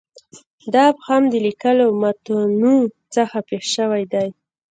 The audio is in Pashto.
دا ابهام د لیکلو متونو څخه پېښ شوی دی.